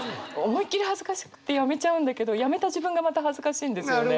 思いっきり恥ずかしくてやめちゃうんだけどやめた自分がまた恥ずかしいんですよね。